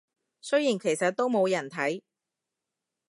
雖然其實都冇人睇